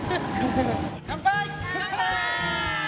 乾杯！